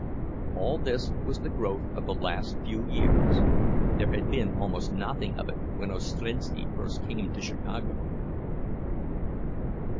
All this was the growth of the last few years—there had been almost nothing of it when Ostrinski first came to Chicago.